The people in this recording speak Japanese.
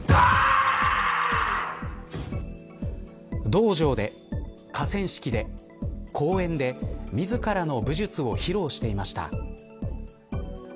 道場で、河川敷で公園で自らの武術を披露していました。